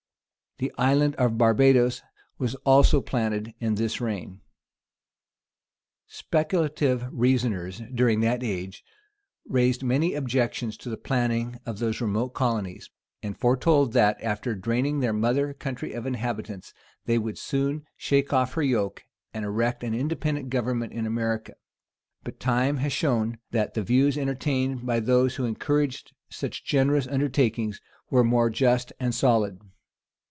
The Island of Barbadoes was also planted in this reign. * Rymer, tom. xvii. p. 621. Rymer, tom. xvii. p. 621, 633. Speculative reasoners, during that age, raised many objections to the planting of those remote colonies; and foretold that, after draining their mother country of inhabitants, they would soon shake off her yoke, and erect an independent government in America: but time has shown, that the views entertained by those who encouraged such generous undertakings, were more just and solid.